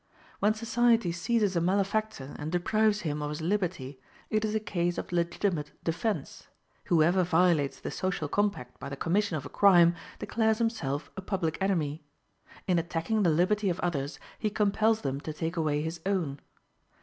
When society seizes a malefactor and deprives him of his liberty, it is a case of legitimate defence: whoever violates the social compact by the commission of a crime declares himself a public enemy; in attacking the liberty of others, he compels them to take away his own.